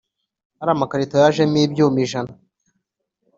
ariya makarito yajemo ibyuma ijana